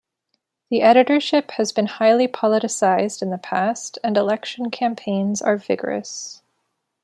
The editorship has been highly politicised in the past, and election campaigns are vigorous.